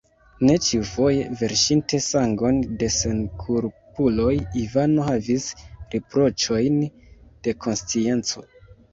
Ne ĉiufoje, verŝinte sangon de senkulpuloj, Ivano havis riproĉojn de konscienco.